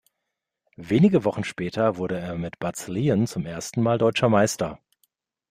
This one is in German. Wenige Wochen später wurde er mit "Butts Leon" zum ersten Mal deutscher Meister.